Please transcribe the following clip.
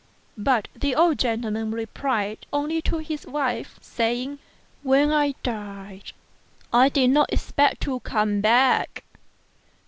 But the old gentleman replied only to his wife, saying, " When I died I did not expect to come back.